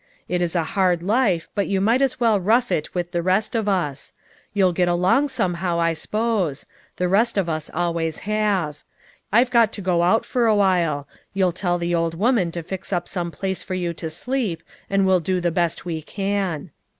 It is a hard life, but you might as well rough it with the rest of us. You'll get along somehow, I s'pose. The rest of us always have. I've got to go out for awhile. You tell the old woman to fix up some place for you to sleep, and we'll do the best we can."